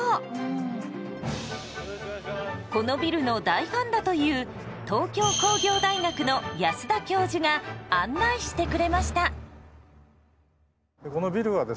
このビルの大ファンだという東京工業大学の安田教授が案内してくれました。